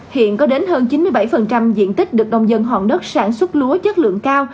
hiện có đến hơn chín mươi bảy diện tích được nông dân hòn đất sản xuất lúa chất lượng cao